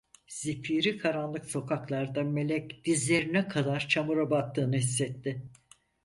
Zifiri karanlık sokaklarda Melek dizlerine kadar çamura battığını hissetti.